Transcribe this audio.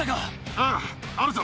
あああるぞ。